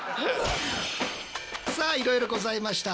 さあいろいろございました。